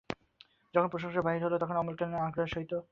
যখন প্রশংসা বাহির হইল তখন অমল কেন আগ্রহের সহিত তাহাকে দেখাইতে আসিল না।